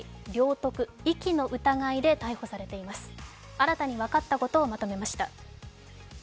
新たに分かったことをまとめました。